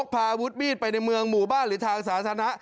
พาอาวุธมีดไปในเมืองหมู่บ้านหรือทางสาธารณะ